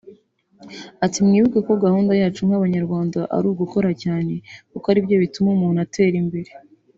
Ati “Mwibuke ko gahunda yacu nk’Abanyarwanda ari ugukora cyane kuko ari byo bituma umuntu atera imbere”